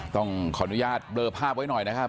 ต้องขออนุญาตเบลอภาพไว้หน่อยนะครับ